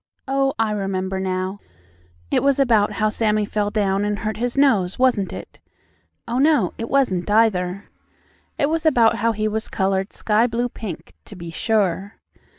Oh, I remember now, it was about how Sammie fell down and hurt his nose, wasn't it? Oh, no, it wasn't either. It was about how he was colored sky blue pink; to be sure.